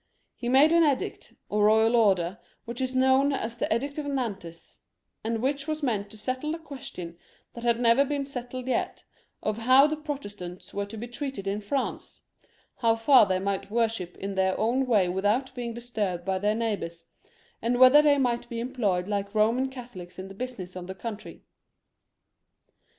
He made an edict or royal order, which is known as the Edict of Nantes, and which was meant to settle the question that had never been settled yet, of how the Protestants were to be treated in France, how far they might worship in their own way without being disturbed by their neighbours, and whether they might be employed like Boman Catholics in the business of the country.